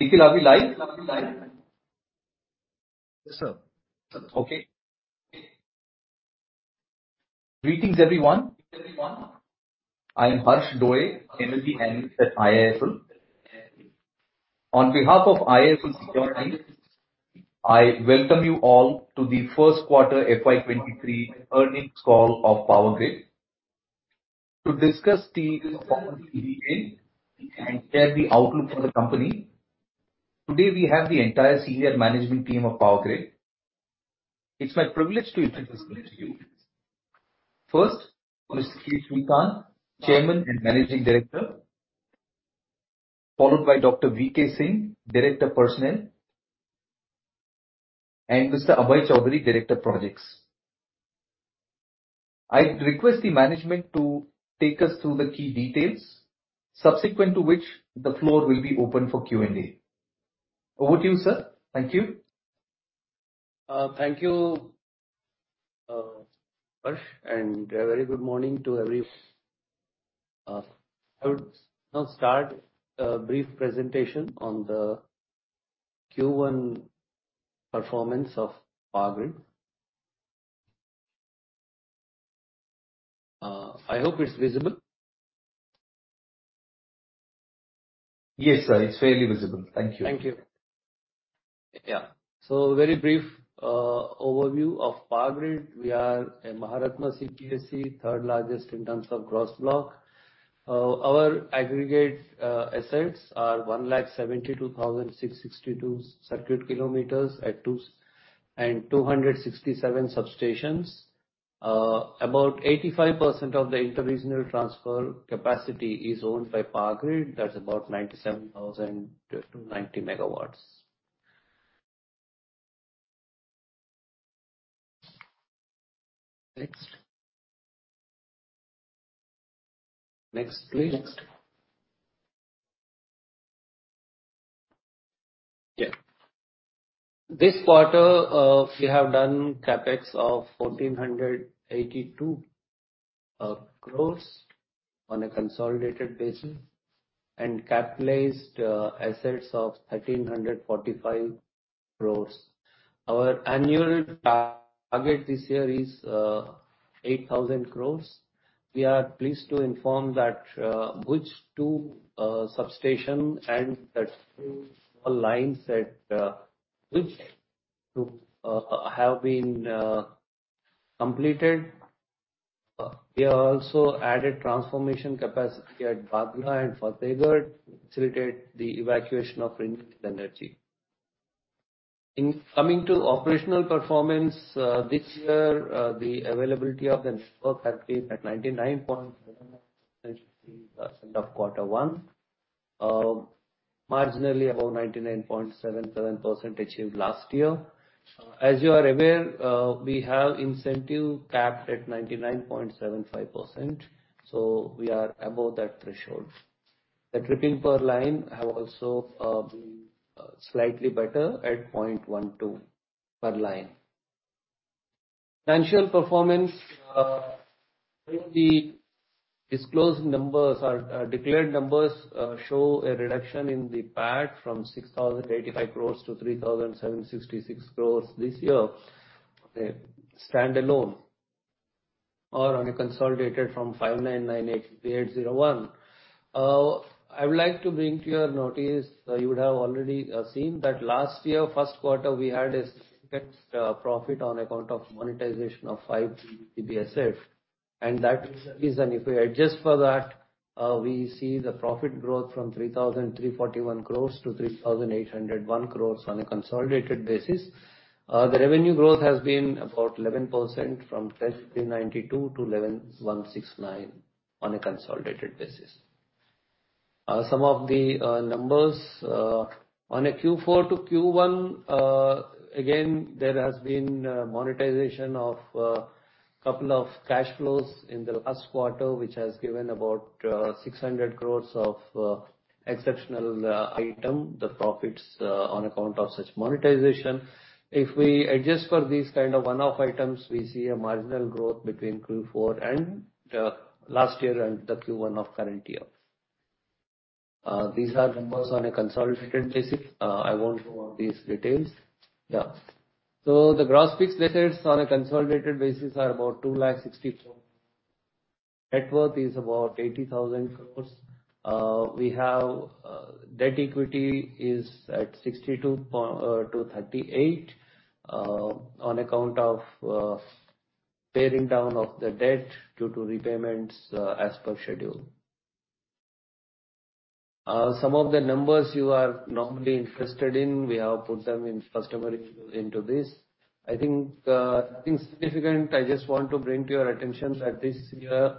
Okay. Greetings, everyone. I am Harshavardhan Dole, MLB Analyst at IIFL. On behalf of IIFL Securities, I welcome you all to the first quarter FY 2023 earnings call of Power Grid. To discuss and share the outlook for the company, today we have the entire senior management team of Power Grid. It's my privilege to introduce them to you. First, Mr. K. Sreekant, Chairman and Managing Director. Followed by Dr. Vinod Kumar Singh, Director, Personnel. And Mr. Abhay Choudhary, Director, Projects. I request the management to take us through the key details, subsequent to which the floor will be open for Q&A. Over to you, sir. Thank you. Thank you, Harsh, and a very good morning to everyone. I would now start a brief presentation on the Q1 performance of Power Grid. I hope it's visible. Yes, sir. It's fairly visible. Thank you. Thank you. Yeah. Very brief overview of Power Grid. We are a Maharatna CPSE, third-largest in terms of gross block. Our aggregate assets are 172,662 circuit kilometers and 267 substations. About 85% of the inter-regional transfer capacity is owned by Power Grid. That's about 97,000 to 90 MW. Next. Next, please. Next. Yeah. This quarter, we have done CapEx of 1,482 crore on a consolidated basis and capitalized assets of 1,345 crore. Our annual target this year is 8,000 crore. We are pleased to inform that Gudaguda substation and the lines at Gudaguda have been completed. We have also added transmission capacity at Bagla and Fatehabad to facilitate the evacuation of renewable energy. Coming to operational performance, this year the availability of the network has been at 99% in quarter one. Marginally above 99.77% achieved last year. As you are aware, we have incentive capped at 99.75%, so we are above that threshold. The tripping per line have also been slightly better at 0.12 per line. Financial performance, the disclosed numbers or declared numbers, show a reduction in the PAT from 6,085 crores to 3,766 crores this year, standalone. Or on a consolidated from 5,998 to 801. I would like to bring to your notice, you would have already seen that last year, first quarter, we had a significant profit on account of monetization of five TBCB SPVs. That is the reason if we adjust for that, we see the profit growth from 3,341 crores to 3,801 crores on a consolidated basis. The revenue growth has been about 11% from 10,392 to 11,169 on a consolidated basis. Some of the numbers on a Q4 to Q1, again, there has been monetization of couple of cash flows in the last quarter, which has given about 600 crore of exceptional item, the profits on account of such monetization. If we adjust for these kind of one-off items, we see a marginal growth between Q4 and last year and the Q1 of current year. These are numbers on a consolidated basis. I won't go on these details. The gross fixed assets on a consolidated basis are about 2,64,000. Net worth is about 80,000 crore. We have debt equity is at 62.238 on account of paying down of the debt due to repayments as per schedule. Some of the numbers you are normally interested in, we have put them in first quarter into this. I think, nothing significant. I just want to bring to your attention that this year,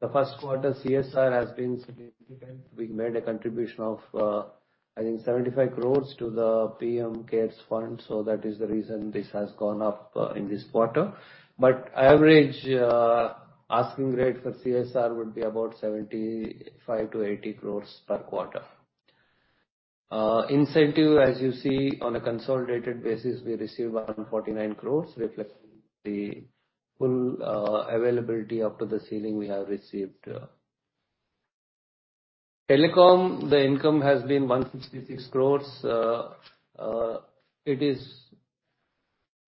the first quarter CSR has been significant. We made a contribution of, I think 75 crore to the PM CARES Fund, so that is the reason this has gone up, in this quarter. Average, asking rate for CSR would be about 75 crore-80 crore per quarter. Incentive, as you see, on a consolidated basis, we received 149 crore, reflecting the full, availability up to the ceiling we have received. Telecom, the income has been 166 crore. It is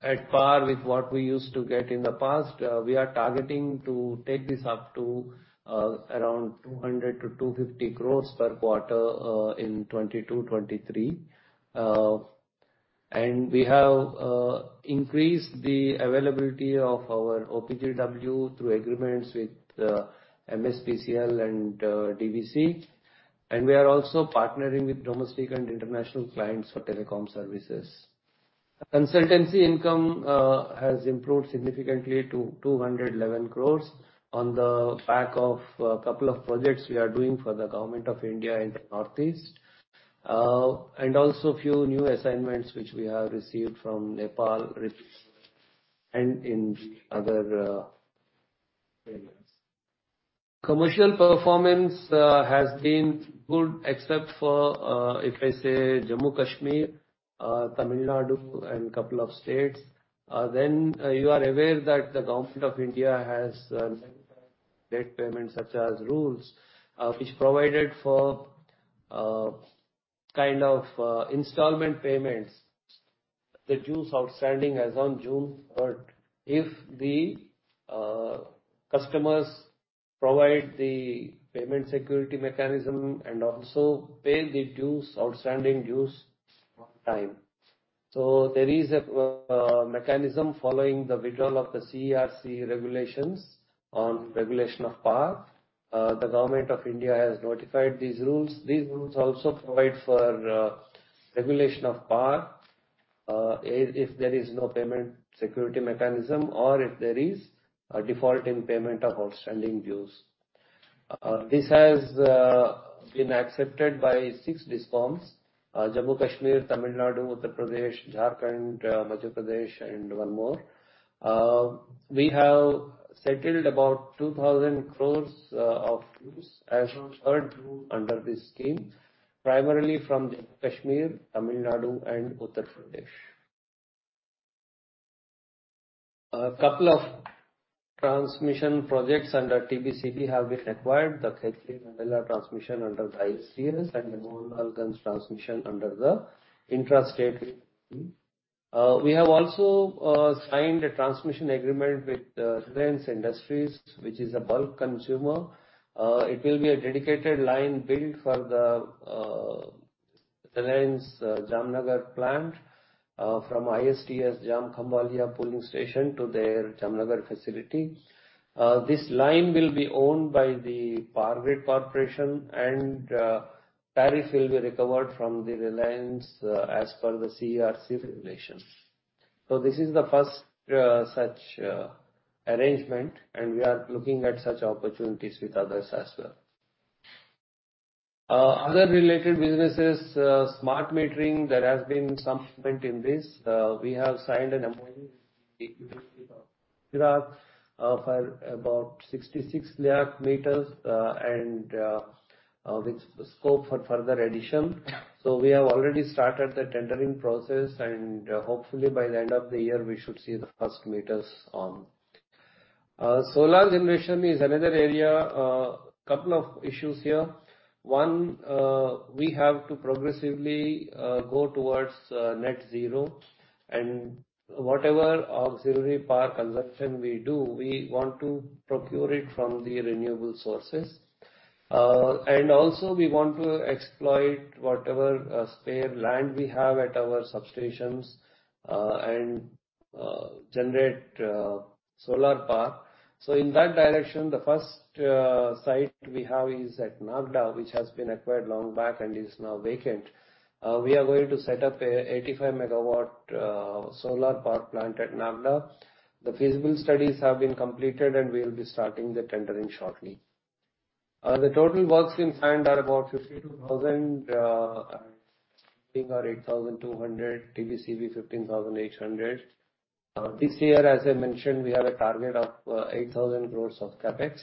at par with what we used to get in the past. We are targeting to take this up to around 200-250 crores per quarter in 2022-23. We have increased the availability of our OPGW through agreements with MSPCL and DVC. We are also partnering with domestic and international clients for telecom services. Consultancy income has improved significantly to 211 crores on the back of a couple of projects we are doing for the government of India in the Northeast. Also a few new assignments which we have received from Nepal and in other commercial performance has been good except for, if I say Jammu and Kashmir, Tamil Nadu and a couple of states. You are aware that the government of India has late payment surcharge rules, which provide for kind of installment payments. The dues outstanding as on June third, if the customers provide the payment security mechanism and also pay the outstanding dues on time. There is a mechanism following the withdrawal of the CERC regulations on late payment surcharge. The government of India has notified these rules. These rules also provide for late payment surcharge, if there is no payment security mechanism or if there is a default in payment of outstanding dues. This has been accepted by six DISCOMs, Jammu & Kashmir, Tamil Nadu, Uttar Pradesh, Jharkhand, Madhya Pradesh, and one more. We have settled about 2,000 crores of dues as on 3rd June under this scheme, primarily from Kashmir, Tamil Nadu and Uttar Pradesh. A couple of transmission projects under TBCB have been acquired, the Khedbrahma transmission under the ISTS and the Mohanlalganj transmission under the intra-state. We have also signed a transmission agreement with Reliance Industries, which is a bulk consumer. It will be a dedicated line built for the Reliance Jamnagar plant from ISTS Jam Khambhaliya pooling station to their Jamnagar facility. This line will be owned by the Power Grid Corporation and tariff will be recovered from the Reliance as per the CERC regulations. This is the first such arrangement, and we are looking at such opportunities with others as well. Other related businesses, smart metering. There has been some movement in this. We have signed an MOU for about 66 lakh meters, and with scope for further addition. We have already started the tendering process and hopefully by the end of the year we should see the first meters on. Solar generation is another area. Couple of issues here. One, we have to progressively go towards net zero and whatever auxiliary power consumption we do, we want to procure it from the renewable sources. And also we want to exploit whatever spare land we have at our substations and generate solar power. In that direction, the first site we have is at Nagda, which has been acquired long back and is now vacant. We are going to set up an 85 MW solar power plant at Nagda. The feasibility studies have been completed, and we will be starting the tendering shortly. The total works in hand are about 52,000, or 8,200, TBCB 15,800. This year, as I mentioned, we have a target of 8,000 crores of CapEx.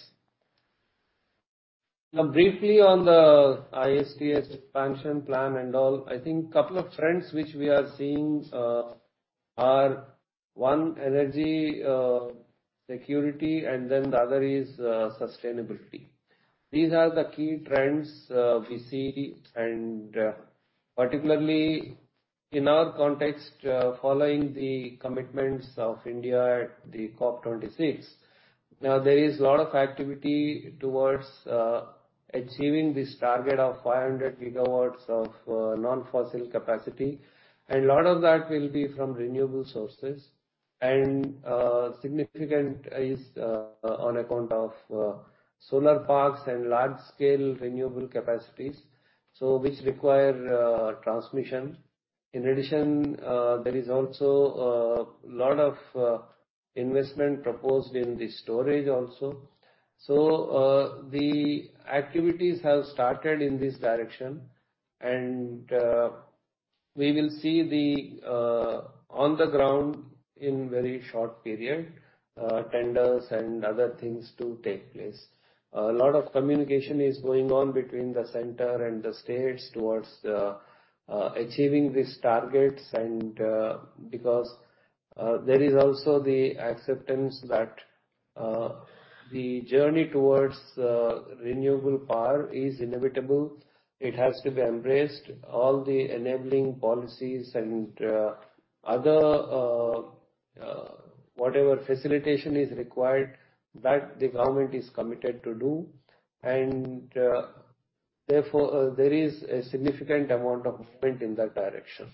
Now, briefly on the ISTS expansion plan and all. I think couple of trends which we are seeing are, one, energy security and then the other is sustainability. These are the key trends we see, and particularly in our context, following the commitments of India at the COP26. Now, there is a lot of activity towards achieving this target of 500 GW of non-fossil capacity, and a lot of that will be from renewable sources and significant is on account of solar parks and large scale renewable capacities, so which require transmission. In addition, there is also lot of investment proposed in the storage also. The activities have started in this direction. We will see on the ground in very short period tenders and other things to take place. A lot of communication is going on between the center and the states towards achieving these targets and because there is also the acceptance that the journey towards renewable power is inevitable. It has to be embraced. All the enabling policies and other whatever facilitation is required that the government is committed to do. Therefore, there is a significant amount of movement in that direction.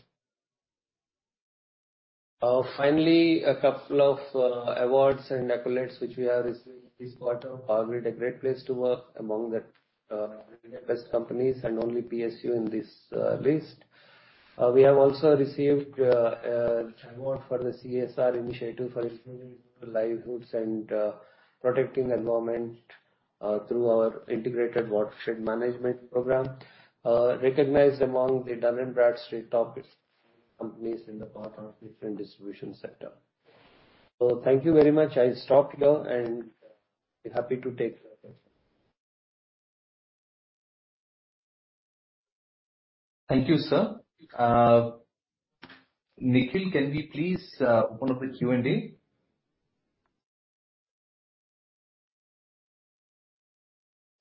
Finally, a couple of awards and accolades which we have received this quarter. PowerGrid, a great place to work among the best companies and only PSU in this list. We have also received an award for the CSR initiative for improving livelihoods and protecting environment through our integrated watershed management program. Recognized among the Dun & Bradstreet top companies in the power and distribution sector. Thank you very much. I'll stop here and be happy to take questions. Thank you, sir. Nikhil, can we please open up the Q&A? Sir,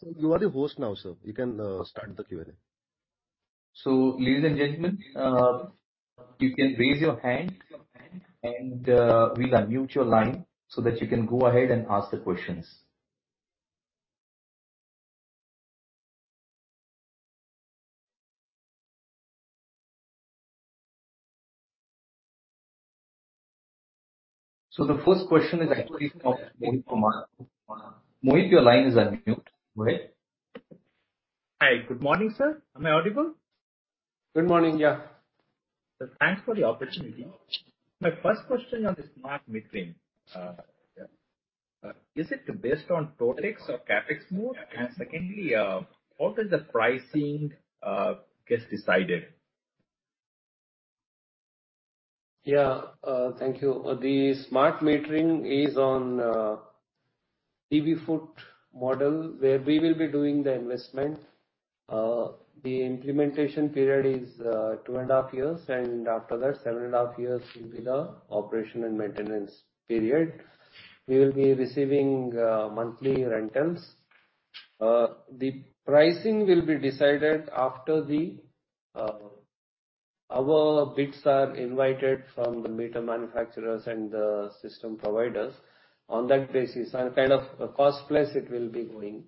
you are the host now, sir. You can start the Q&A. Ladies and gentlemen, you can raise your hand and, we'll unmute your line so that you can go ahead and ask the questions. The first question is, I think, from Mohit Kumar. Mohit, your line is unmuted. Go ahead. Hi. Good morning, sir. Am I audible? Good morning. Yeah. Sir, thanks for the opportunity. My first question on the smart metering. Is it based on Totex or CapEx mode? Secondly, how does the pricing gets decided? Thank you. The smart metering is on PBFOT model where we will be doing the investment. The implementation period is two and a half years, and after that seven and a half years will be the operation and maintenance period. We will be receiving monthly rentals. The pricing will be decided after our bids are invited from the meter manufacturers and the system providers. On that basis on kind of a cost plus it will be going.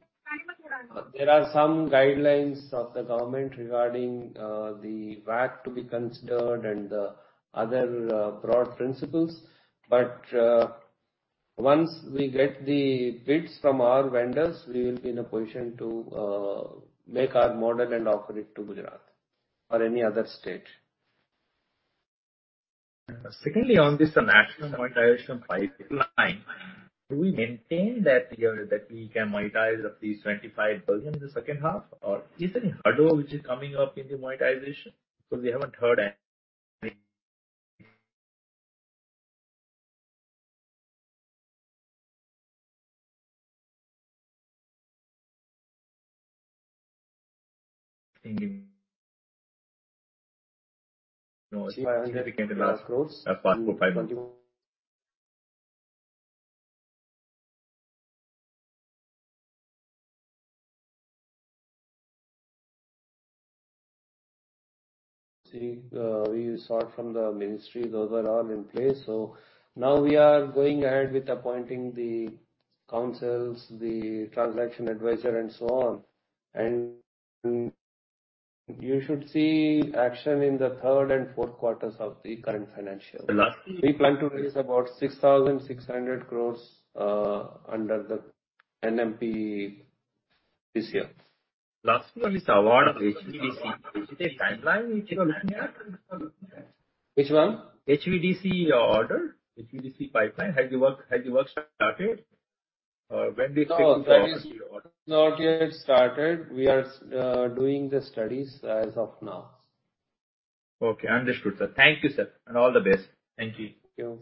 There are some guidelines of the government regarding the VAT to be considered and the other broad principles. Once we get the bids from our vendors, we will be in a position to make our model and offer it to Gujarat or any other state. Secondly, on this national monetization pipeline, do we maintain that figure that we can monetize at least 25 billion in the second half? Is there any hurdle which is coming up in the monetization? Because we haven't heard anything. See, we sought from the ministry. Those are all in place. Now we are going ahead with appointing the councils, the transaction advisor and so on. You should see action in the third and fourth quarters of the current financial year. We plan to raise about 6,600 crores under the NMP this year. Last one is award of HVDC. Is it a timeline which you are looking at? Which one? HVDC order. HVDC pipeline. Has the work started? When we expecting to order? No, that is not yet started. We are doing the studies as of now. Okay, understood, sir. Thank you, sir, and all the best. Thank you.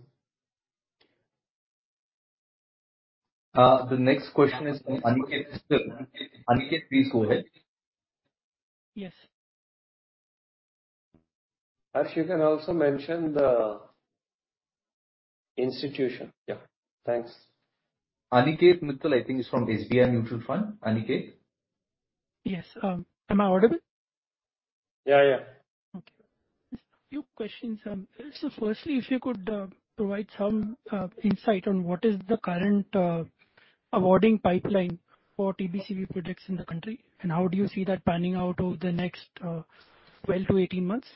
Thank you. The next question is from Aniket Mittal. Aniket, please go ahead. Yes. Ash, you can also mention the institution. Yeah. Thanks. Aniket Mittal, I think, is from HDFC Mutual Fund. Aniket? Yes. Am I audible? Yeah. Yeah. Okay. Just a few questions. Firstly, if you could provide some insight on what is the current awarding pipeline for TBCB projects in the country, and how do you see that panning out over the next 12-18 months?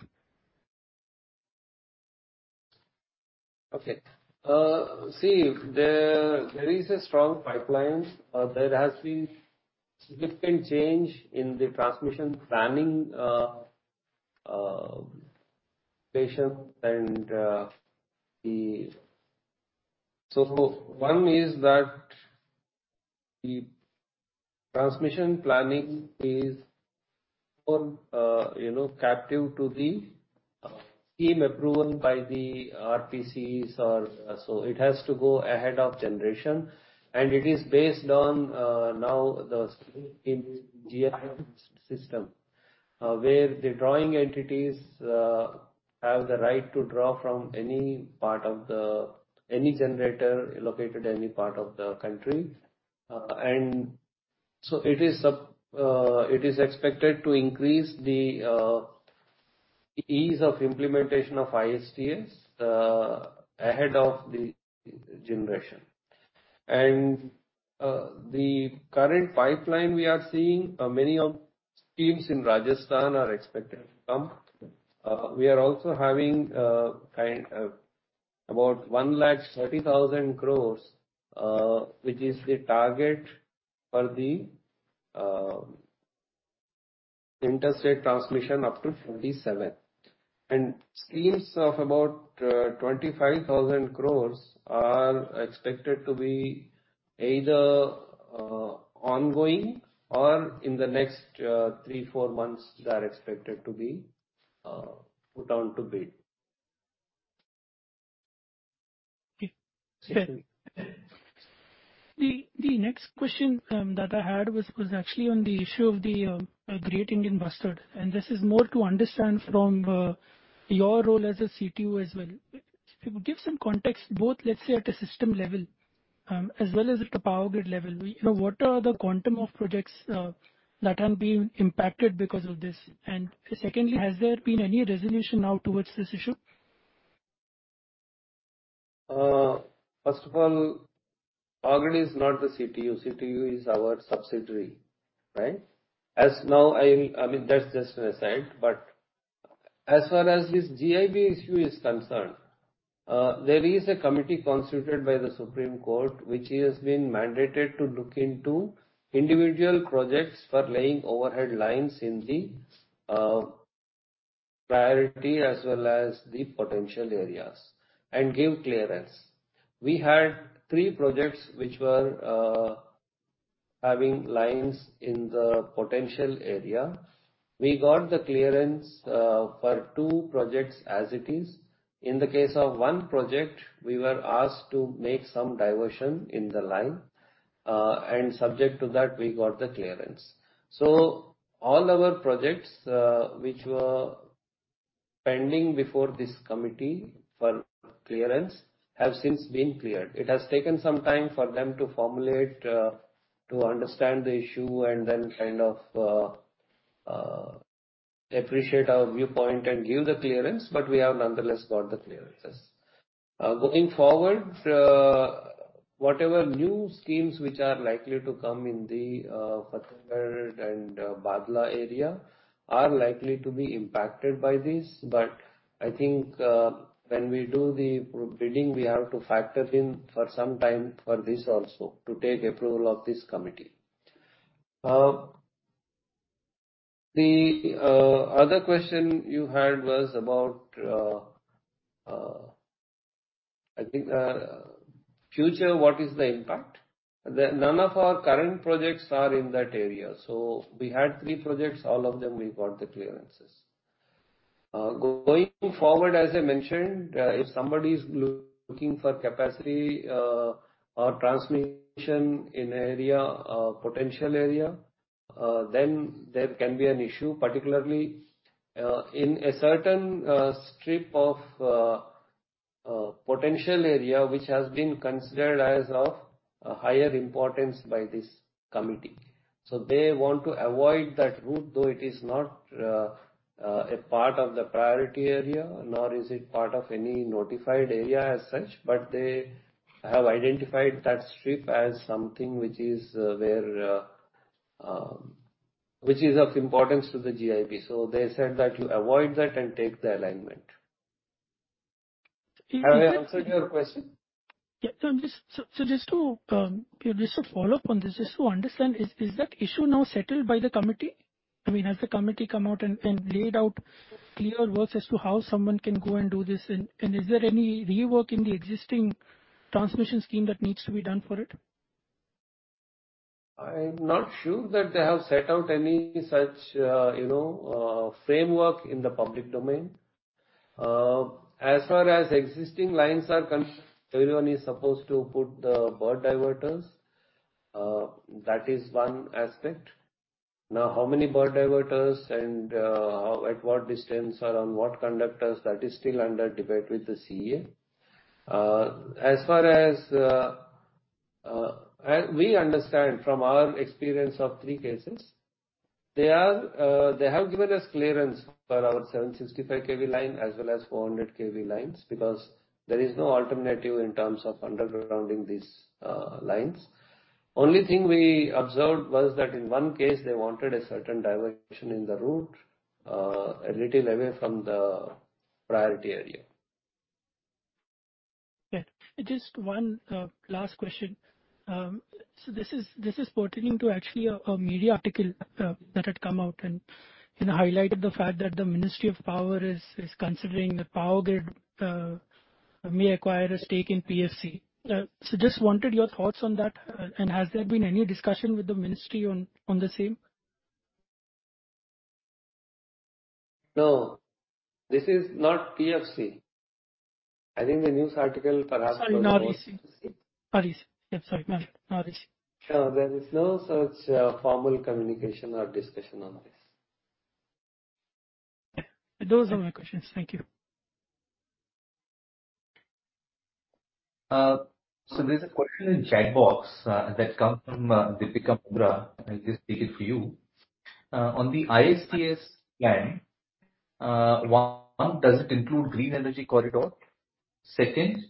Okay. See, there is a strong pipeline. There has been significant change in the transmission planning. One is that the transmission planning is, you know, captive to the scheme approval by the RPCs or so it has to go ahead of generation. It is based on now the scheme GNA system, where the drawing entities have the right to draw from any generator located any part of the country. It is expected to increase the ease of implementation of ISTS ahead of the generation. The current pipeline we are seeing, many of schemes in Rajasthan are expected to come. We are also having about 1,30,000 crore, which is the target for the Inter-State transmission up to 47. Schemes of about 25,000 crore are expected to be either ongoing or in the next three, four months, they are expected to be put down to bid. Okay. The next question that I had was actually on the issue of the Great Indian Bustard, and this is more to understand from your role as a CTO as well. Give some context both, let's say, at a system level, as well as at a Power Grid level. You know, what are the quantum of projects that have been impacted because of this? And secondly, has there been any resolution now towards this issue? First of all, Power Grid is not the CTU. CTU is our subsidiary, right? I mean, that's just an aside, but as far as this GIB issue is concerned, there is a committee constituted by the Supreme Court, which has been mandated to look into individual projects for laying overhead lines in the priority as well as the potential areas and give clearance. We had three projects which were having lines in the potential area. We got the clearance for two projects as it is. In the case of one project, we were asked to make some diversion in the line and subject to that, we got the clearance. All our projects which were pending before this committee for clearance have since been cleared. It has taken some time for them to understand the issue and then kind of appreciate our viewpoint and give the clearance, but we have nonetheless got the clearances. Going forward, whatever new schemes which are likely to come in the Fatehabad and Bhadla area are likely to be impacted by this. I think when we do the bidding, we have to factor in for some time for this also to take approval of this committee. The other question you had was about, I think, future, what is the impact? None of our current projects are in that area. We had three projects. All of them we got the clearances. Going forward, as I mentioned, if somebody is looking for capacity or transmission in a potential area, then there can be an issue, particularly in a certain strip of potential area, which has been considered as of a higher importance by this committee. They want to avoid that route, though it is not a part of the priority area, nor is it part of any notified area as such. They have identified that strip as something which is of importance to the GIB. They said that you avoid that and take the alignment. Have I answered your question? Yeah. Just to follow up on this, just to understand, is that issue now settled by the committee? I mean, has the committee come out and laid out clear works as to how someone can go and do this? Is there any rework in the existing transmission scheme that needs to be done for it? I'm not sure that they have set out any such framework in the public domain. As far as existing lines are concerned, everyone is supposed to put the bird diverters. That is one aspect. Now how many bird diverters and at what distance or on what conductors, that is still under debate with the CEA. As far as we understand from our experience of three cases, they have given us clearance for our 765 kV line as well as 400 kV lines because there is no alternative in terms of undergrounding these lines. Only thing we observed was that in one case they wanted a certain diversion in the route, a little away from the priority area. Yeah. Just one last question. This is pertaining to actually a media article that had come out and, you know, highlighted the fact that the Ministry of Power is considering the Power Grid may acquire a stake in PFC. Just wanted your thoughts on that. And has there been any discussion with the ministry on the same? No. This is not PFC. I think the news article perhaps was. Sorry, REC. No, there is no such formal communication or discussion on this. Those are my questions. Thank you. There's a question in the chat box that come from Deepika Mundra. I'll just read it for you. On the ISTS plan, one, does it include green energy corridor? Second,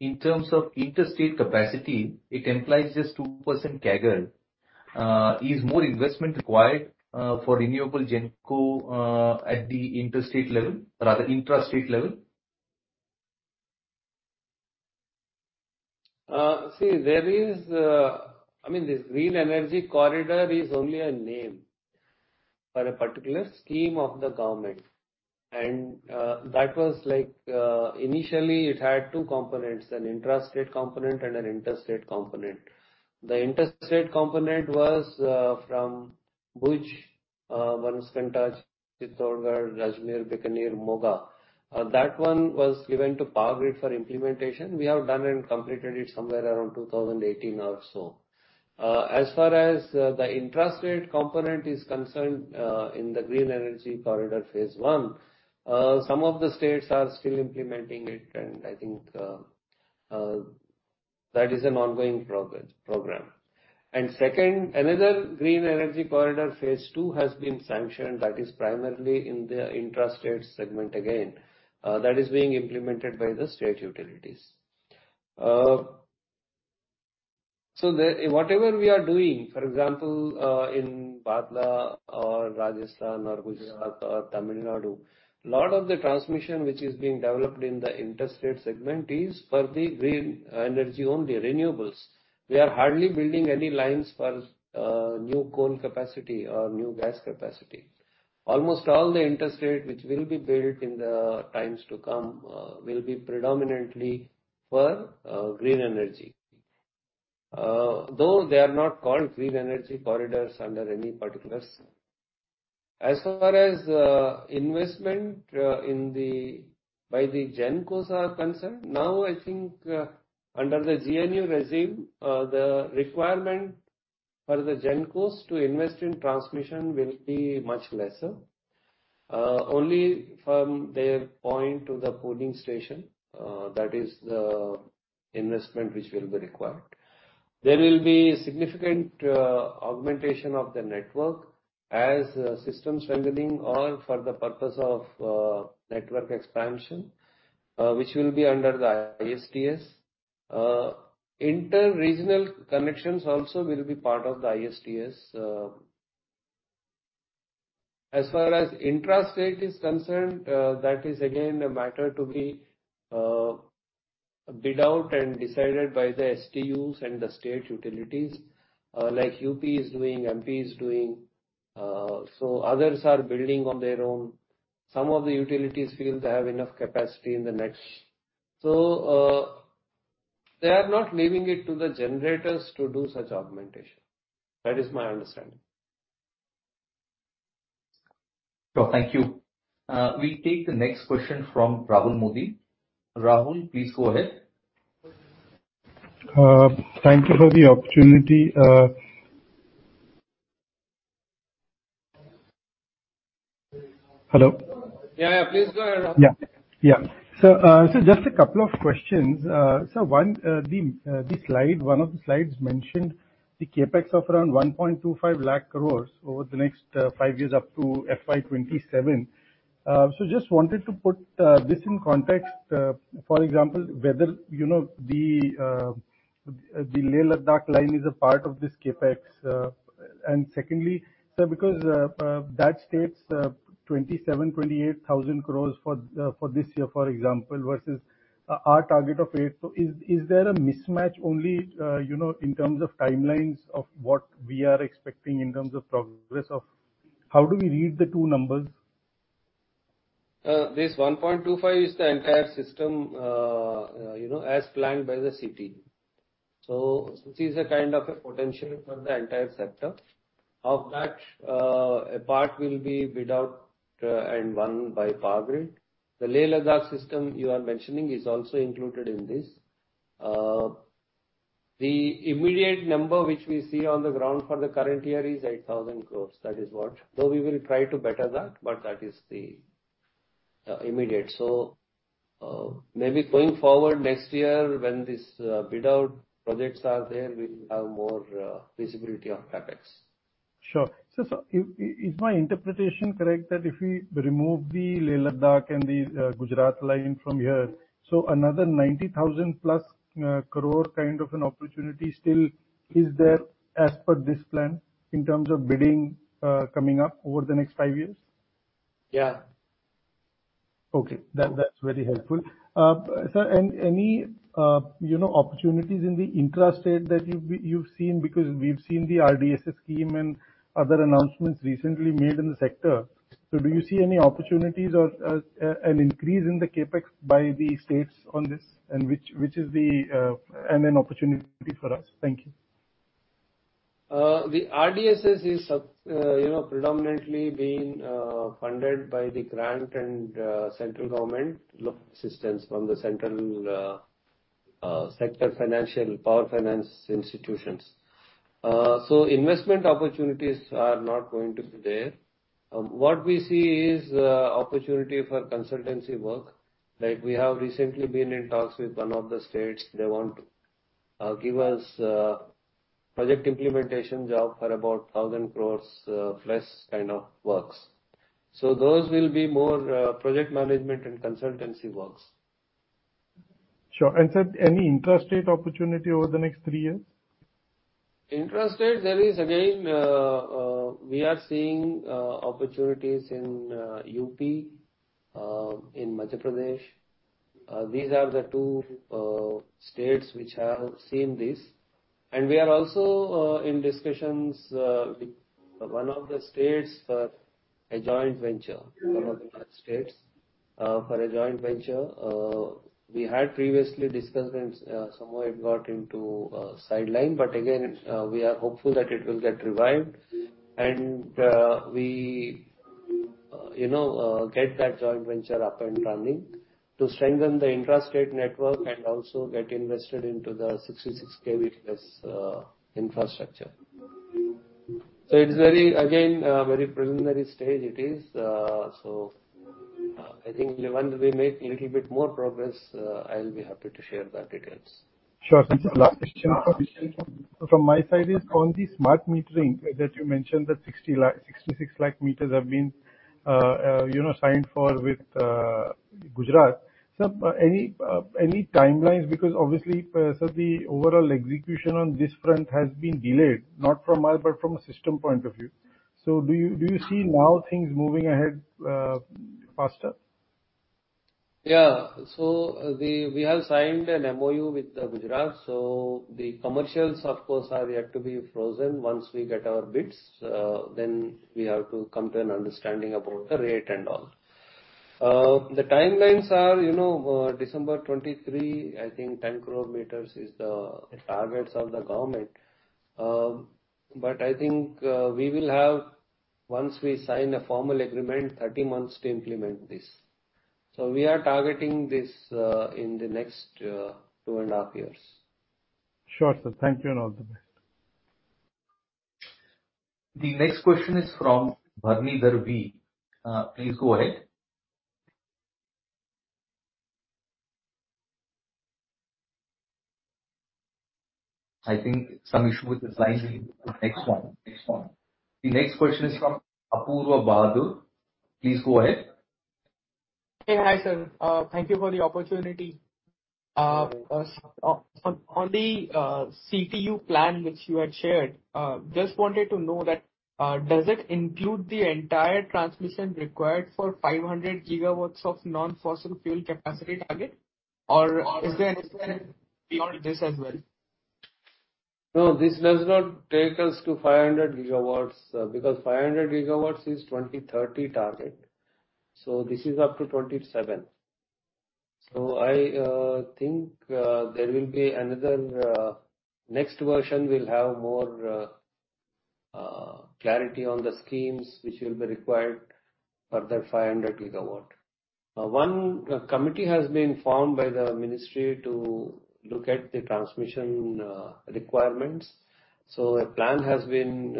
in terms of interstate capacity, it implies just 2% CAGR. Is more investment required for renewable Gencos at the interstate level or rather intrastate level? See there is, I mean, this Green Energy Corridor is only a name for a particular scheme of the government. That was like, initially it had two components, an intrastate component and an interstate component. The interstate component was from Bhuj, Varaskhan Taj, Chittorgarh, Rajnir, Bikaner, Moga. That one was given to Power Grid for implementation. We have done and completed it somewhere around 2018 or so. As far as the intrastate component is concerned, in the Green Energy Corridor Phase One, some of the states are still implementing it, and I think that is an ongoing program. Second, another Green Energy Corridor Phase Two has been sanctioned that is primarily in the intrastate segment again, that is being implemented by the state utilities. Whatever we are doing, for example, in Bhadla or Rajasthan or Gujarat or Tamil Nadu, lot of the transmission which is being developed in the intrastate segment is for the green energy only, renewables. We are hardly building any lines for new coal capacity or new gas capacity. Almost all the intrastate which will be built in the times to come will be predominantly for green energy. Though they are not called green energy corridors under any particulars. As far as investment by the Gencos are concerned, now I think under the GNA regime the requirement for the Gencos to invest in transmission will be much lesser. Only from their point to the pooling station that is the investment which will be required. There will be significant augmentation of the network as system strengthening or for the purpose of network expansion, which will be under the ISTS. Inter-regional connections also will be part of the ISTS. As far as intrastate is concerned, that is again a matter to be bid out and decided by the STUs and the state utilities, like UP is doing, MP is doing, so others are building on their own. Some of the utilities feel they have enough capacity in the next. They are not leaving it to the generators to do such augmentation. That is my understanding. Thank you. We'll take the next question from Rahul Modi. Rahul, please go ahead. Thank you for the opportunity. Hello. Yeah, yeah. Please go ahead, Rahul. Just a couple of questions. One, one of the slides mentioned the CapEx of around 1.25 lakh crore over the next 5 years up to FY 2027. Just wanted to put this in context, for example, whether you know the Leh-Ladakh line is a part of this CapEx. Secondly, sir, because that's 27-28 thousand crore for this year, for example, versus our target of INR 8 thousand crore. Is there a mismatch only, you know, in terms of timelines of what we are expecting in terms of progress? How do we read the two numbers? 1.25 is the entire system, you know, as planned by the CEA. This is a kind of a potential for the entire sector. Of that, a part will be bid out, and won by Power Grid. The Leh-Ladakh system you are mentioning is also included in this. The immediate number which we see on the ground for the current year is 8,000 crores, that is what. Though we will try to better that, but that is the immediate. Maybe going forward next year when these bid out projects are there, we will have more visibility on CapEx. Sure. Is my interpretation correct that if we remove the Leh-Ladakh and the Gujarat line from here, so another 90,000+ crore kind of an opportunity still is there as per this plan in terms of bidding coming up over the next five years? Yeah. Okay. That, that's very helpful. Sir, and any, you know, opportunities in the intrastate that you've seen because we've seen the RDSS scheme and other announcements recently made in the sector. Do you see any opportunities or an increase in the CapEx by the states on this and which is the and an opportunity for us? Thank you. The RDSS is, you know, predominantly being funded by the grant and central government loan systems from the central sector financial power finance institutions. Investment opportunities are not going to be there. What we see is opportunity for consultancy work. Like, we have recently been in talks with one of the states. They want to give us a project implementation job for about 1,000 crore plus kind of works. Those will be more project management and consultancy works. Sure. Sir, any intrastate opportunity over the next three years? In intrastate, there is again we are seeing opportunities in UP, in Madhya Pradesh. These are the two states which have seen this. We are also in discussions with one of the states for a joint venture, one of the north states, for a joint venture. We had previously discussed and somewhere it got sidelined, but again we are hopeful that it will get revived and we, you know, get that joint venture up and running to strengthen the intrastate network and also get invested into the 66 kV plus infrastructure. It's very, again, a very preliminary stage it is. I think once we make little bit more progress, I'll be happy to share the details. Sure. Sir, just last question from my side is on the smart metering that you mentioned that 66 lakh meters have been, you know, signed for with Gujarat. Sir, any timelines? Because obviously, sir, the overall execution on this front has been delayed, not from our, but from a system point of view. Do you see now things moving ahead faster? We have signed an MOU with Gujarat. The commercials of course are yet to be frozen. Once we get our bids, then we have to come to an understanding about the rate and all. The timelines are, you know, December 2023. I think 10 crore meters is the targets of the government. But I think, we will have, once we sign a formal agreement, 30 months to implement this. We are targeting this in the next 2.5 years. Sure, sir. Thank you and all the best. The next question is from Bharani Darbi. Please go ahead. I think some issue with his line. Next one. The next question is from Apoorva Bahadur. Please go ahead. Hey. Hi, sir. Thank you for the opportunity. On the CTU plan which you had shared, just wanted to know that, does it include the entire transmission required for 500 gigawatts of non-fossil fuel capacity target? Or is there anything beyond this as well? No, this does not take us to 500 GW, because 500 GW is 2030 target, so this is up to 2027. I think there will be another. Next version will have more clarity on the schemes which will be required for the 500 GW. One committee has been formed by the ministry to look at the transmission requirements. A plan has been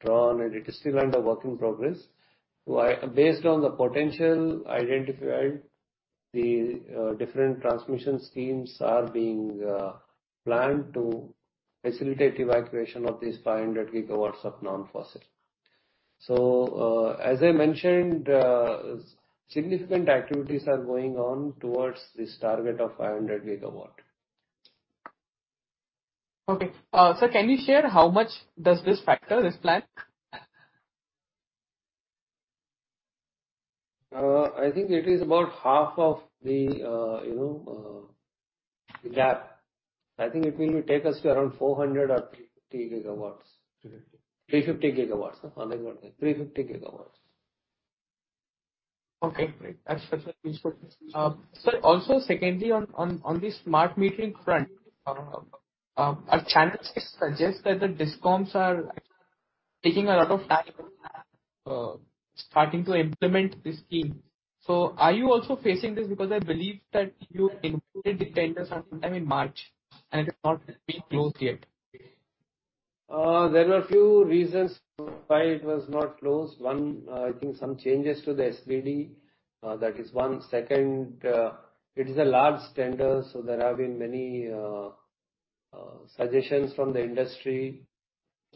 drawn and it is still under work in progress. Based on the potential identified, the different transmission schemes are being planned to facilitate evacuation of these 500 GW of non-fossil. As I mentioned, significant activities are going on towards this target of 500 GW. Okay. Sir, can you share how much does this factor, this plan? I think it is about half of the, you know, gap. I think it will take us to around 400 or 350 gigawatts. 350. 350 gigawatts. 350. 350 GW. Okay, great. That's definitely useful. Sir, also secondly, on the smart metering front, our channel checks suggest that the DISCOMs are actually taking a lot of time, starting to implement this scheme. Are you also facing this? Because I believe that you had included the tenders sometime in March, and it has not been closed yet. There were a few reasons why it was not closed. One, I think some changes to the SPD. That is one. Second, it is a large tender, so there have been many suggestions from the industry.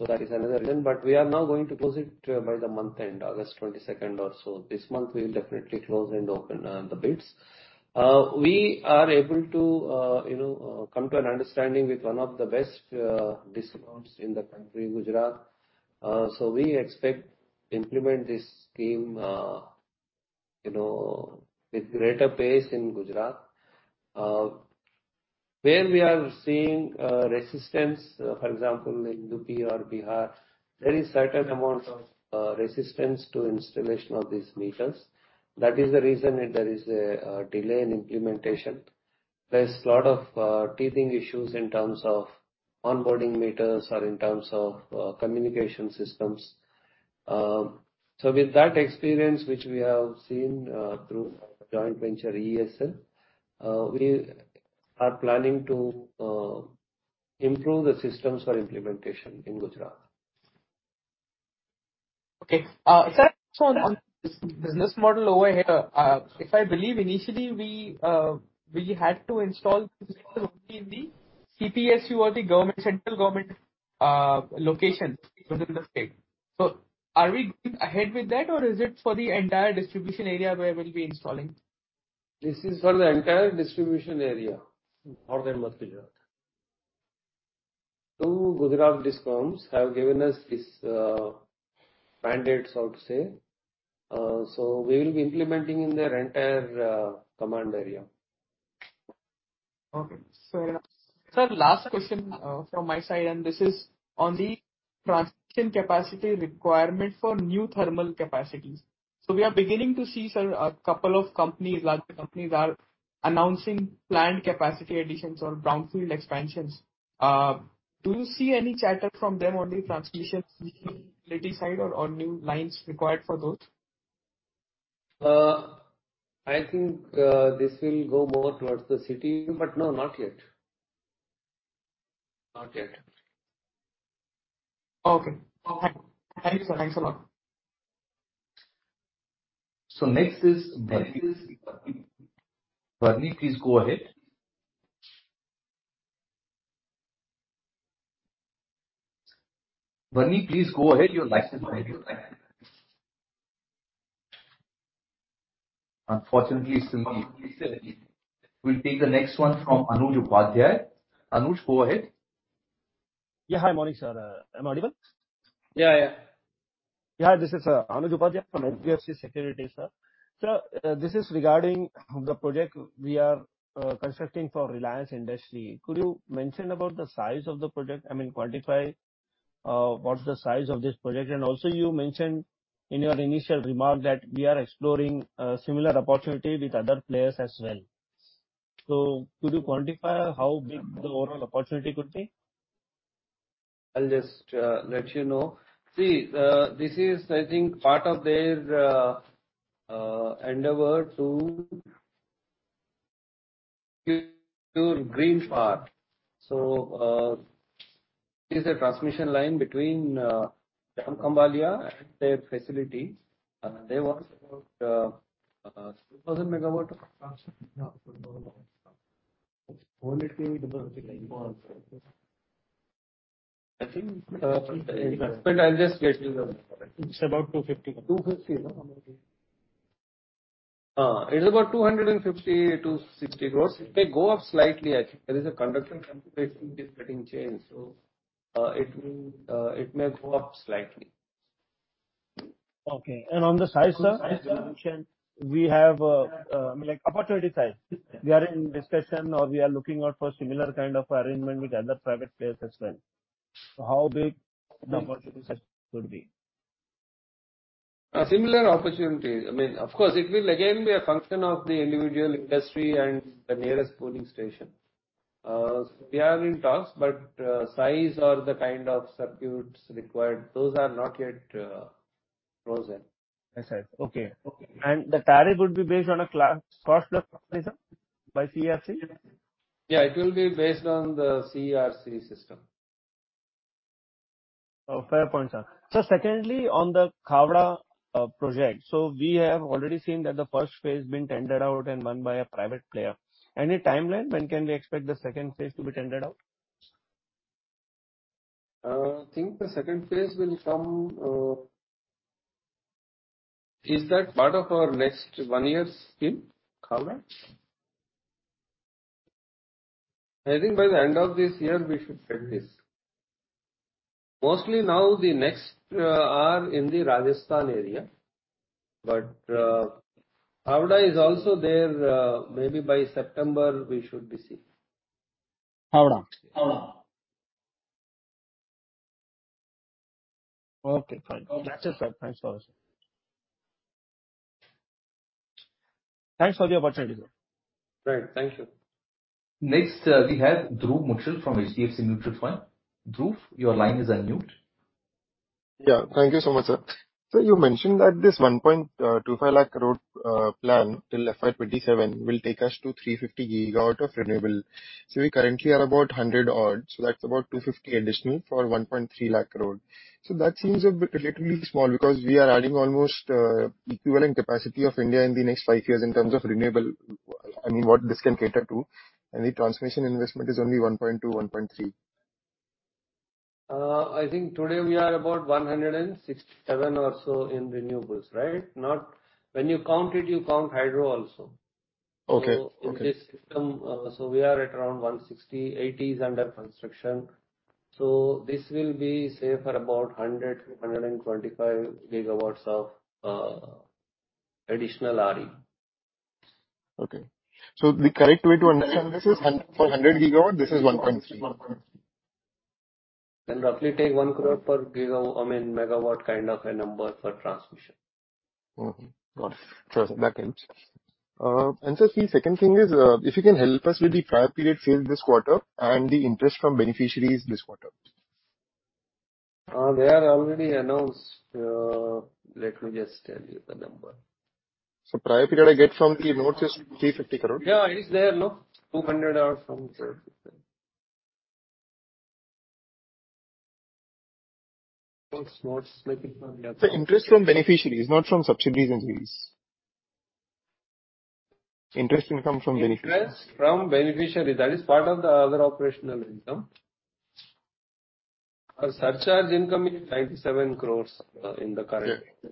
That is another reason. We are now going to close it by the month end, August 22nd or so. This month we'll definitely close and open the bids. We are able to, you know, come to an understanding with one of the best DISCOMs in the country, Gujarat. We expect to implement this scheme, you know, with greater pace in Gujarat. Where we are seeing resistance, for example, in UP or Bihar, there is certain amount of resistance to installation of these meters. That is the reason that there is a delay in implementation. There's a lot of teething issues in terms of onboarding meters or in terms of communication systems. With that experience, which we have seen through joint venture EESL, we are planning to improve the systems for implementation in Gujarat. Okay. Sir, on this business model over here, if I believe initially we had to install only in the CPSU or the government, central government, locations within the state. Are we going ahead with that or is it for the entire distribution area where we'll be installing? This is for the entire distribution area of Ahmedabad, Gujarat. Two Gujarat DISCOMs have given us this mandate, so to say. We will be implementing in their entire command area. Sir, last question from my side, and this is on the transmission capacity requirement for new thermal capacities. We are beginning to see, sir, a couple of companies, larger companies are announcing planned capacity additions or brownfield expansions. Do you see any chatter from them on the transmission side or new lines required for those? I think, this will go more towards the CT, but no, not yet. Not yet. Okay. Thank you, sir. Thanks a lot. Next is Varney. Varney, please go ahead. Your line is broken. Unfortunately, still. We'll take the next one from Anuj Upadhyay. Anuj, go ahead. Yeah. Hi. Morning, sir. Am I audible? Yeah, yeah. Yeah, this is Anuj Upadhyay from HDFC Securities, sir. Sir, this is regarding the project we are constructing for Reliance Industries. Could you mention about the size of the project? I mean, quantify what's the size of this project. And also you mentioned in your initial remark that we are exploring a similar opportunity with other players as well. Could you quantify how big the overall opportunity could be? I'll just let you know. See, this is, I think, part of their endeavor to green park. This is a transmission line between Jam Khambhaliya and their facility. They want about 2,000 MW. I think. But I'll just let you know. It's about 2:50. INR 250 crore. It's about 250 crore-60 crore. It may go up slightly. I think there is a conductor change, so it may go up slightly. Okay. On the size, sir, we have, like opportunity size. We are in discussion, or we are looking out for similar kind of arrangement with other private players as well. How big the opportunity could be? A similar opportunity. I mean, of course, it will again be a function of the individual industry and the nearest pooling station. We are in talks, but size or the kind of circuits required, those are not yet frozen. I see. Okay. The tariff would be based on a cost plus mechanism by CERC? Yeah, it will be based on the CERC system. Oh, fair point, sir. Secondly, on the Khavda project, so we have already seen that the first phase been tendered out and won by a private player. Any timeline, when can we expect the second phase to be tendered out? I think the second phase will come. Is that part of our next one year's scheme? Khavda? I think by the end of this year we should tender it. Mostly now the next are in the Rajasthan area. Khavda is also there. Maybe by September we should be seeing. Khavda? Uh. Okay, fine. That's it, sir. Thanks a lot, sir. Thanks for the opportunity, sir. Right. Thank you. Next, we have Dhruv Mutreja from HDFC Mutual Fund. Dhruv, your line is unmuted. Yeah. Thank you so much, sir. You mentioned that this 1.25 lakh crore plan till FY 2027 will take us to 350 GW of renewable. We currently are about 100 odd, so that's about 250 additional for 1.3 lakh crore. That seems a bit relatively small because we are adding almost equivalent capacity of India in the next five years in terms of renewable. I mean, what this can cater to, and the transmission investment is only 1.2-1.3. I think today we are about 167 or so in renewables, right? When you count it, you count hydro also. Okay. Okay. In this system, we are at around 160. 80 is under construction. This will be say for about 100-125 GW of additional RE. The correct way to understand this is for 100 GW, this is 1.3. Roughly take 1 crore per megawatt kind of a number for transmission. Mm-hmm. Got it. Sure, sir. That helps. Sir, the second thing is, if you can help us with the prior period sales this quarter and the interest from beneficiaries this quarter. They are already announced. Let me just tell you the number. Prior period I get from the notes is 350 crore. Yeah. It is there, no? 200 are from the notes Sir, interest from beneficiaries, not from subsidies and fees. Interest income from beneficiaries. Interest from beneficiary, that is part of the other operational income. Our surcharge income is 97 crore in the current- Yeah.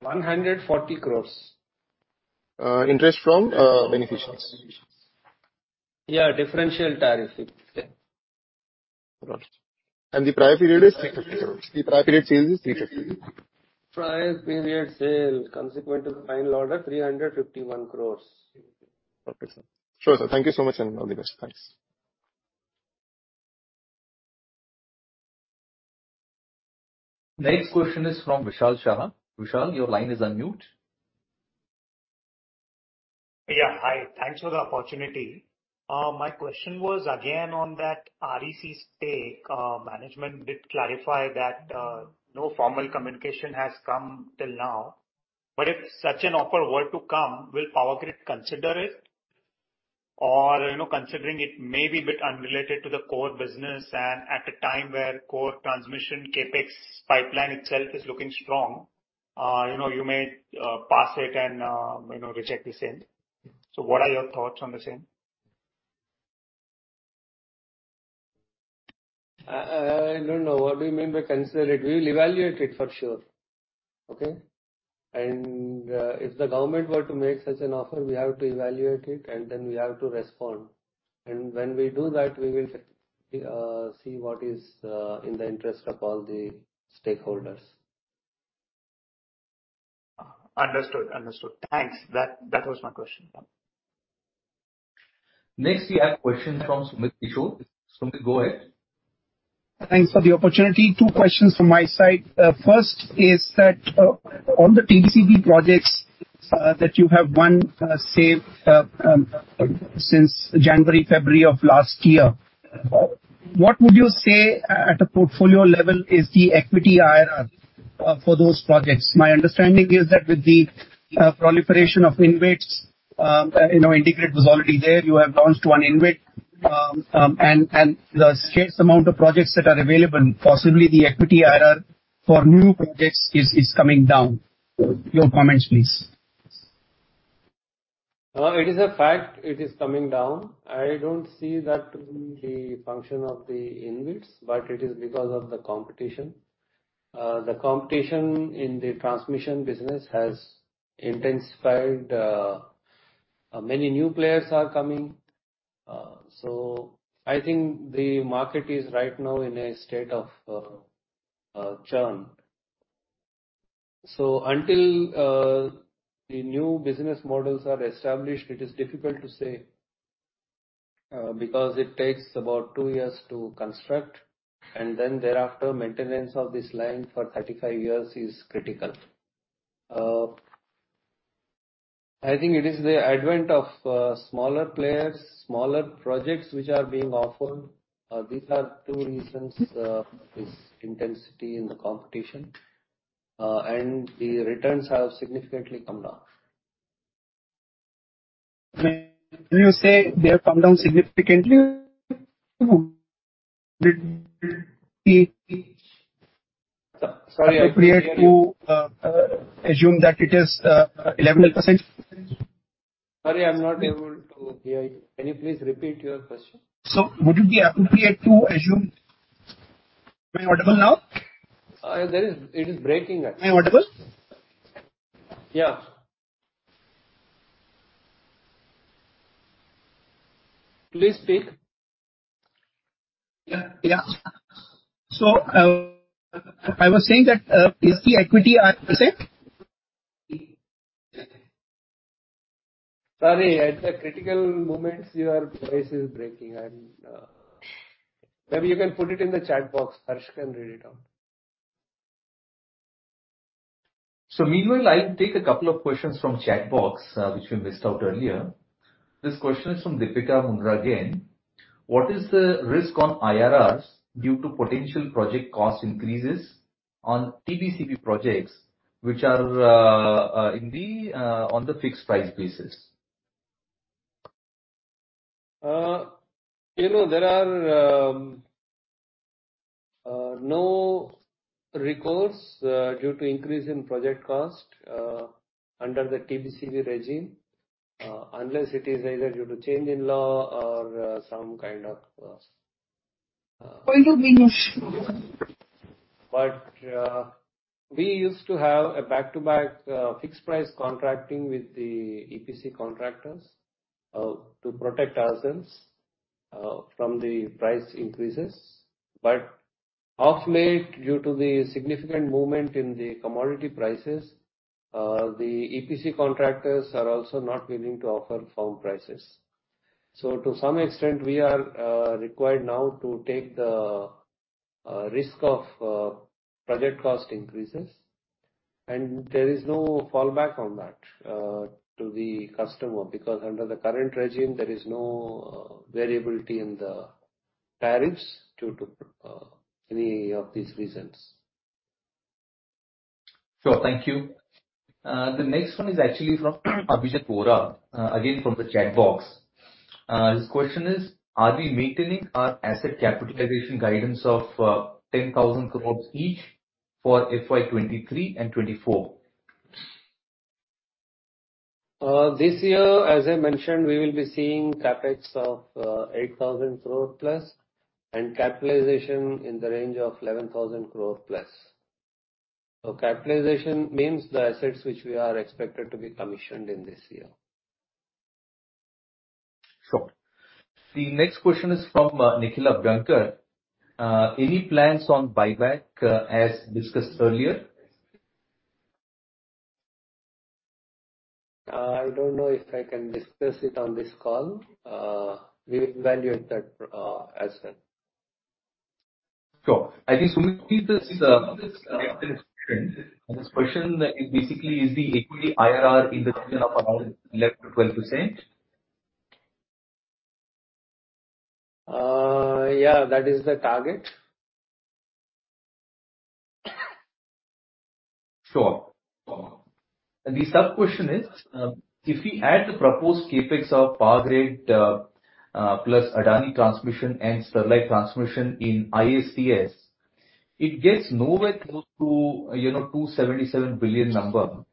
140 crores. Interest from beneficiaries. Yeah. Differential tariff, you could say. Got it. The prior period is 350 crore. The prior period sales is 350 crore. Prior period sale consequent to final order, 351 crores. Okay, sir. Sure, sir. Thank you so much, and all the best. Thanks. Next question is from Vishal Shah. Vishal, your line is unmuted. Yeah. Hi. Thanks for the opportunity. My question was again on that REC stake. Management did clarify that, no formal communication has come till now. But if such an offer were to come, will Power Grid consider it? Or, you know, considering it may be a bit unrelated to the core business and at a time where core transmission CapEx pipeline itself is looking strong, you know, you may pass it and, you know, reject the same. What are your thoughts on the same? I don't know. What do you mean by consider it? We will evaluate it for sure. Okay? If the government were to make such an offer, we have to evaluate it, and then we have to respond. When we do that, we will see what is in the interest of all the stakeholders. Understood. Thanks. That was my question. Next, we have question from Sumit Mishra. Sumit, go ahead. Thanks for the opportunity. Two questions from my side. First is that on the TBCB projects that you have won, say, since January, February of last year, what would you say at a portfolio level is the equity IRR for those projects? My understanding is that with the proliferation of InvITs, you know, IndiGrid was already there. You have launched one InvIT. The scarce amount of projects that are available, possibly the equity IRR for new projects is coming down. Your comments, please. It is a fact it is coming down. I don't see that to be the function of the InvITs, but it is because of the competition. The competition in the transmission business has intensified. Many new players are coming. I think the market is right now in a state of churn. Until the new business models are established, it is difficult to say, because it takes about two years to construct, and then thereafter, maintenance of this line for 35 years is critical. I think it is the advent of smaller players, smaller projects which are being offered. These are two reasons, this intensity in the competition, and the returns have significantly come down. When you say they have come down significantly, appropriate to assume that it is 11%? Sorry, I'm not able to hear you. Can you please repeat your question? Would it be appropriate to assume? Am I audible now? It is breaking. Am I audible? Yeah. Please speak. Yeah. Yeah. I was saying that is the equity percent- Sorry, at the critical moments, your voice is breaking. Maybe you can put it in the chat box. Harsh can read it out. Meanwhile, I'll take a couple of questions from chat box which we missed out earlier. This question is from Deepika Mundra again. What is the risk on IRRs due to potential project cost increases on TBCB projects which are on the fixed price basis? You know, there are no recourse due to increase in project cost under the TBCB regime unless it is either due to change in law or some kind of. Point of view. We used to have a back-to-back fixed price contracting with the EPC contractors to protect ourselves from the price increases. Of late, due to the significant movement in the commodity prices, the EPC contractors are also not willing to offer firm prices. To some extent, we are required now to take the risk of project cost increases, and there is no fallback on that to the customer. Because under the current regime, there is no variability in the tariffs due to any of these reasons. Sure. Thank you. The next one is actually from Abhijeet Bora, again from the chat box. His question is: Are we maintaining our asset capitalization guidance of 10,000 crore each for FY 2023 and 2024? This year, as I mentioned, we will be seeing CapEx of 8,000 crore plus and capitalization in the range of 11,000 crore plus. Capitalization means the assets which we are expected to be commissioned in this year. Sure. The next question is from Nikhil Banka. Any plans on buyback as discussed earlier? I don't know if I can discuss it on this call. We will evaluate that as well. Sure. I think Sumit is asking a question. His question, basically, is the equity IRR in the region of around 11%-12%? Yeah. That is the target. Sure. The sub-question is, if we add the proposed CapEx of Power Grid, plus Adani Transmission and Sterlite Transmission in ISTS, it gets nowhere close to, you know, INR 277 billion number.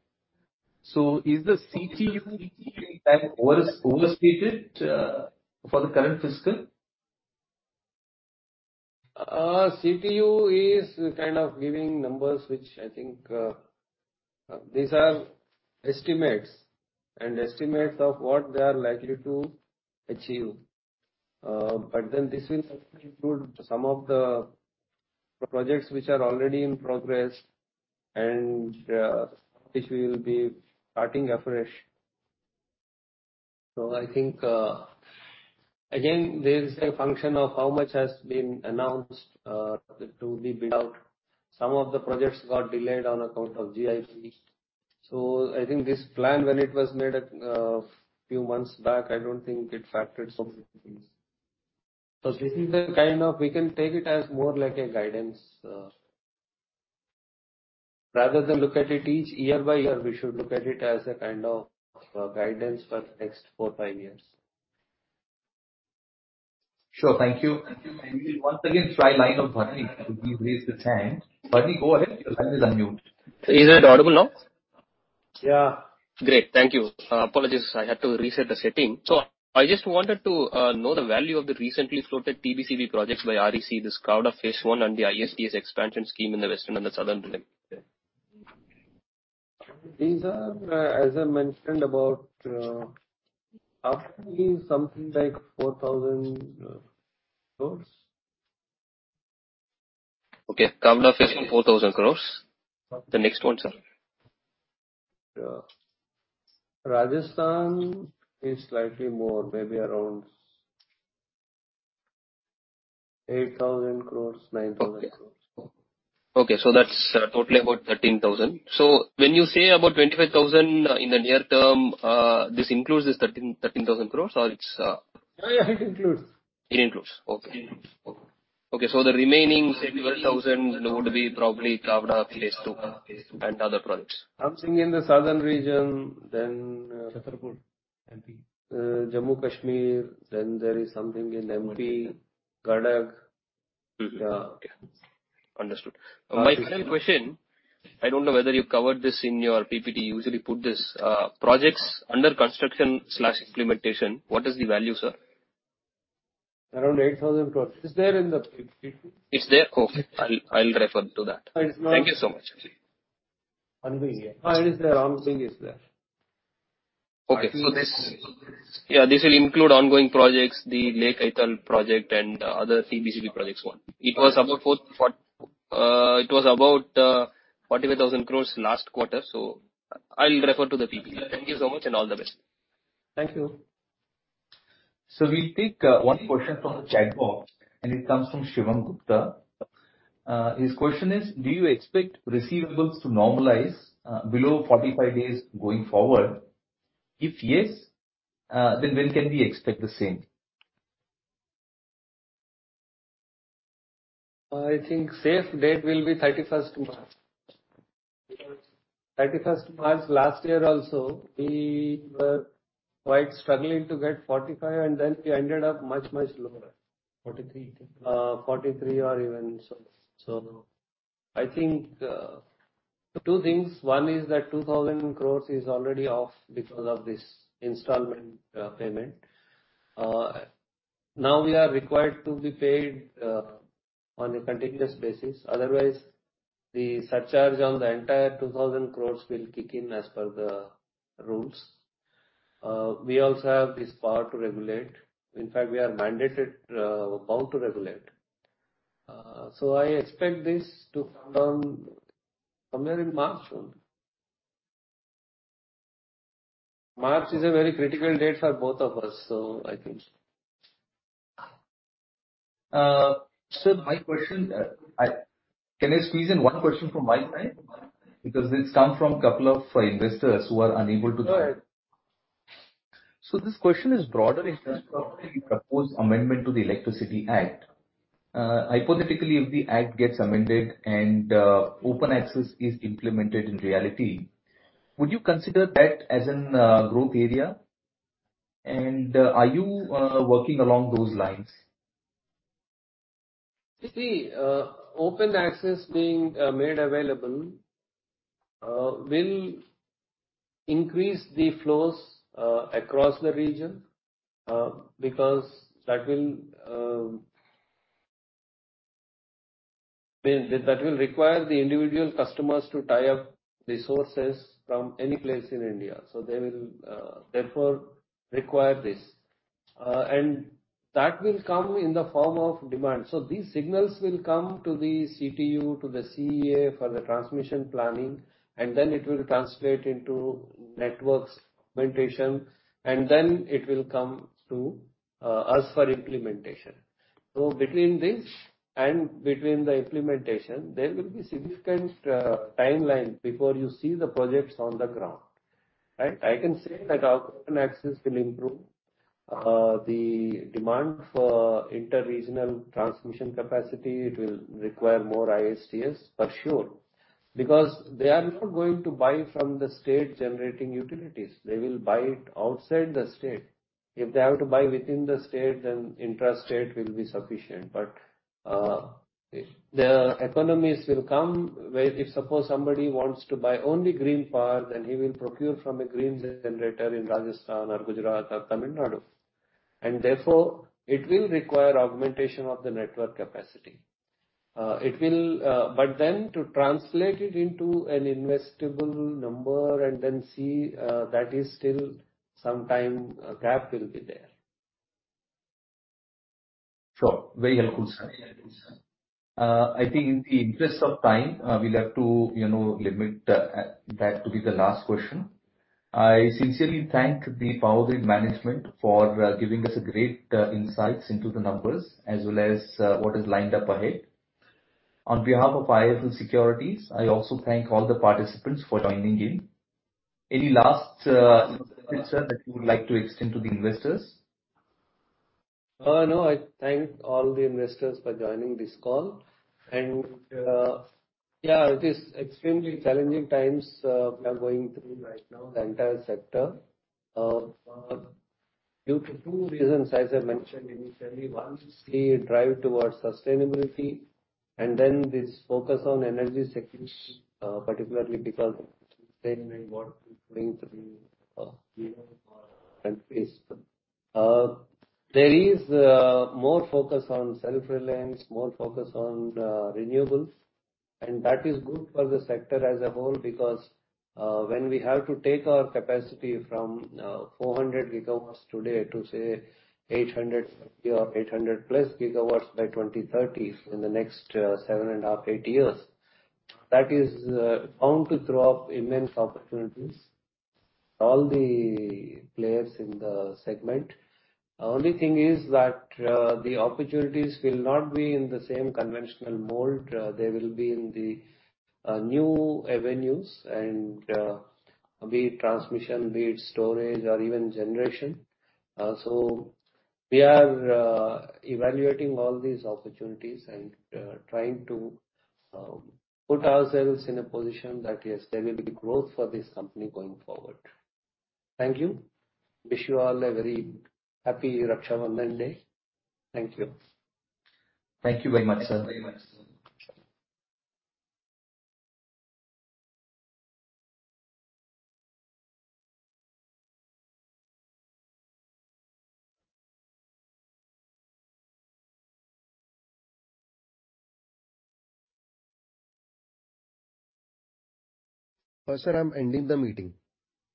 Is the CTU anytime over, overstated, for the current fiscal? CTU is kind of giving numbers, which I think these are estimates, and estimates of what they are likely to achieve. This will actually include some of the projects which are already in progress and which we will be starting afresh. I think again there is a function of how much has been announced to be built. Some of the projects got delayed on account of GIB. I think this plan, when it was made a few months back, I don't think it factored some of these. This is a kind of guidance. We can take it as more like a guidance rather than look at it each year by year. We should look at it as a kind of guidance for the next four, five years. Sure. Thank you. We will once again try line of Bharani because he raised his hand. Bharani, go ahead. Your line is unmuted. Is it audible now? Yeah. Great. Thank you. Apologies, I had to reset the setting. I just wanted to know the value of the recently floated TBCB projects by REC, this Khavda phase one and the ISTS expansion scheme in the western and the southern region. These are, as I mentioned, about up to something like 4,000 crore. Okay. Khavda phase one, 4,000 crore. The next one, sir. Rajasthan is slightly more, maybe around 8,000-9,000 crores. Okay. That's totally about 13,000 crore. When you say about 25,000 crore in the near term, this includes this 13,000 crore, or is it? Yeah, yeah. It includes. It includes. Okay. It includes. Okay. The remaining 12,000 would be probably Khavda phase two and other projects. Something in the southern region, then. Chhatarpur, MP. Jammu and Kashmir, there is something in MP, Gadag. Mm-hmm. Okay. Understood. My final question, I don't know whether you covered this in your PPT. You usually put this, projects under construction slash implementation. What is the value, sir? Around 8,000 crore. It's there in the PPT. It's there? Okay. I'll refer to that. It's not- Thank you so much. Andheri. It is there. Ambivali is there. This will include ongoing projects, the Leh-Ladakh project and other TBCB projects one. It was about 45,000 crore last quarter. I'll refer to the PPT. Thank you so much and all the best. Thank you. We'll take one question from the chat box, and it comes from Shivam Gupta. His question is: Do you expect receivables to normalize below 45 days going forward? If yes, then when can we expect the same? I think safe date will be thirty-first March. Because thirty-first March last year also, we were quite struggling to get 45, and then we ended up much, much lower. Forty-three. 43 or even so. I think two things. One is that 2,000 crore is already off because of this installment payment. Now we are required to be paid on a continuous basis. Otherwise, the surcharge on the entire 2,000 crore will kick in as per the rules. We also have this power to regulate. In fact, we are mandated, bound to regulate. I expect this to come somewhere in March soon. March is a very critical date for both of us, I think. Can I squeeze in one question from my side? Because it's come from a couple of investors who are unable to join. Go ahead. This question is broader in terms of the proposed amendment to the Electricity Act. Hypothetically, if the act gets amended and open access is implemented in reality, would you consider that as a growth area? Are you working along those lines? You see, open access being made available will increase the flows across the region because that will mean that will require the individual customers to tie up resources from any place in India. They will therefore require this. That will come in the form of demand. These signals will come to the CTU, to the CEA for the transmission planning, and then it will translate into network augmentation, and then it will come to us for implementation. Between this and the implementation, there will be significant timeline before you see the projects on the ground, right? I can say that our open access will improve the demand for inter-regional transmission capacity. It will require more ISTS for sure, because they are not going to buy from the state generating utilities. They will buy it outside the state. If they have to buy within the state, then intrastate will be sufficient. The economies will come where if suppose somebody wants to buy only green power, then he will procure from a green generator in Rajasthan or Gujarat or Tamil Nadu. Therefore it will require augmentation of the network capacity. To translate it into an investable number and then see, that is still some time, gap will be there. Sure. Very helpful, sir. I think in the interest of time, we'll have to, you know, limit that to be the last question. I sincerely thank the Power Grid management for giving us a great insights into the numbers as well as what is lined up ahead. On behalf of IIFL Securities, I also thank all the participants for joining in. Any last insights that you would like to extend to the investors? I thank all the investors for joining this call. It is extremely challenging times we are going through right now, the entire sector. Due to two reasons, as I mentioned initially. One is the drive towards sustainability and then this focus on energy security, particularly because. There is more focus on self-reliance, more focus on renewables, and that is good for the sector as a whole, because when we have to take our capacity from 400 GW today to say 800 or 800+ GW by 2030, in the next 7.5, eight years, that is bound to throw up immense opportunities for all the players in the segment. Only thing is that the opportunities will not be in the same conventional mold. They will be in the new avenues and be it transmission, be it storage or even generation. We are evaluating all these opportunities and trying to put ourselves in a position that yes, there will be growth for this company going forward. Thank you. Wish you all a very happy Raksha Bandhan day. Thank you. Thank you very much, sir. Sir, I'm ending the meeting.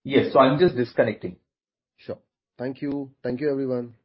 Yes. I'm just disconnecting. Sure. Thank you. Thank you, everyone.